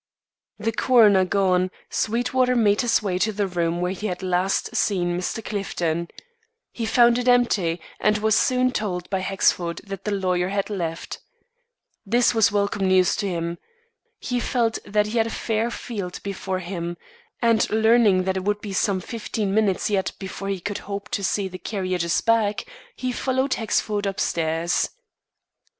The coroner gone, Sweetwater made his way to the room where he had last seen Mr. Clifton. He found it empty and was soon told by Hexford that the lawyer had left. This was welcome news to him; he felt that he had a fair field before him now; and learning that it would be some fifteen minutes yet before he could hope to see the carriages back, he followed Hexford upstairs.